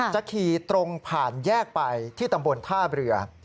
จะขี่ตรงผ่านแยกไปที่ตำบลท่าเรือ